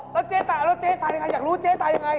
แล้วเจ๊ถ่ายอย่างไรอยากรู้เจ๊เท่ายังไง